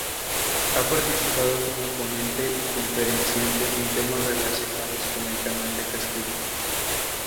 Ha participado como ponente y conferenciante en temas relacionados con el Canal de Castilla.